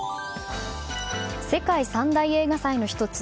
世界三大映画祭の１つ